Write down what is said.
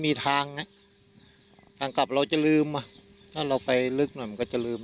มีทางทางกลับเราจะลืมอ่ะถ้าเราไปลึกหน่อยมันก็จะลืม